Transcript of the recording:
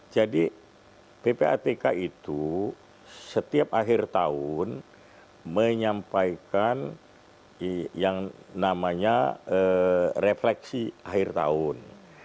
jadi ppatk itu setiap akhir tahun menyampaikan yang namanya refleksi akhir tahun